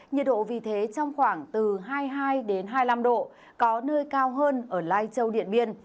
nhiệt độ vì thế trong khoảng từ hai mươi hai hai mươi năm độ có nơi cao hơn ở lai châu điện biên